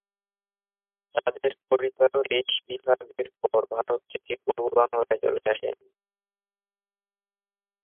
তাদের পরিবারও দেশবিভাগের পর ভারত থেকে পূর্ববাংলায় চলে আসেন।